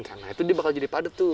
karena itu dia bakal jadi padat tuh